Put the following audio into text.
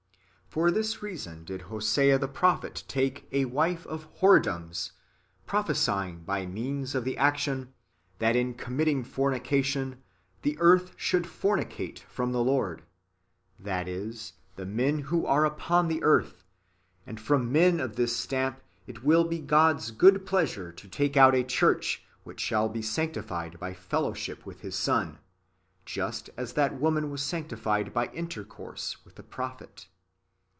For this reason did Hosea the prophet take " a wife of whoredoms," prophesying by means of the action, "that in committing fornication the earth should fornicate from the Lord,'"' that is, the men who are upon the earth ; and from men of this stamp it will be God's good pleasure to take out^ a church which shall be sanctified by 1 Rev. V. 6. 2 Key. xix. 11 17. 3 Hos. i. 2, 3. ^ ^Vcts xv. 14. 2 F 450 IRENJEUS AGAINST HERESIES, [Book iy. fellowship with His Son, just as that woman was sanctified by intercourse with the prophet.